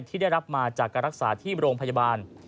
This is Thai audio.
ที่ได้รับมาจากการรักษาที่โรงพยาบาล